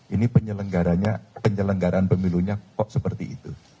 ini penyelenggaranya penyelenggaran pemilunya kok seperti itu